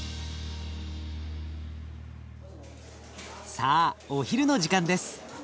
さあお昼の時間です。